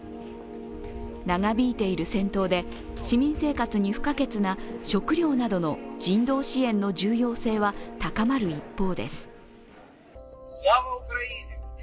長引いている戦闘で、市民生活に不可欠な食料などの人道支援の重要性は高まる一方です。